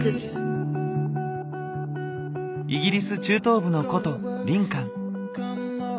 イギリス中東部の古都リンカン。